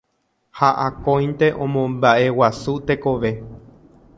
ha akóinte omomba'eguasu tekove